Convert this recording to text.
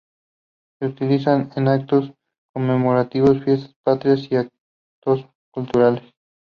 Se utilizan en actos conmemorativos, fiestas patrias y actos culturales.